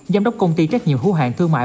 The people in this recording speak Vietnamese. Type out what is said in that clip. giám đốc công ty trách nhiệm hữu hạng thương mại